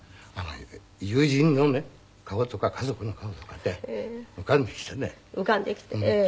あのね友人のね顔とか家族の顔とかね浮かんできてね。